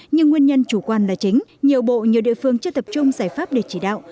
nhưng nguyên nhân chủ quan là chính nhiều bộ nhiều địa phương chưa tập trung giải pháp để chỉ đạo